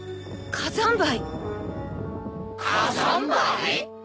火山灰？